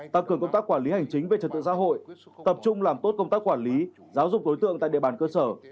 tăng cường công tác quản lý hành chính về trật tự xã hội tập trung làm tốt công tác quản lý giáo dục đối tượng tại địa bàn cơ sở